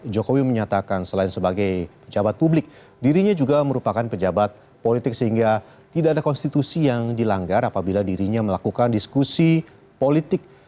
jokowi menyatakan selain sebagai pejabat publik dirinya juga merupakan pejabat politik sehingga tidak ada konstitusi yang dilanggar apabila dirinya melakukan diskusi politik